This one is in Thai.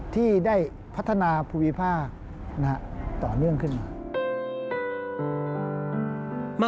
ที่ได้พัฒนาภูมิภาคต่อเนื่องขึ้นมา